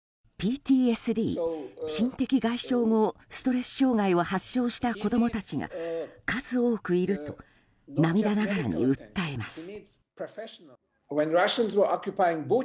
ＰＴＳＤ・心的外傷後ストレス障害を発症した子供たちが数多くいると涙ながらに訴えます。